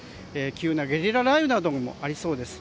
急なゲリラ雷雨などもありそうです。